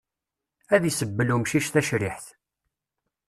Ad isebbel umcic tacriḥt.